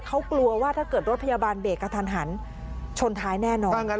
เขากลัวว่าถ้าเกิดรถพยาบาลเบรกกระทันหันชนท้ายแน่นอน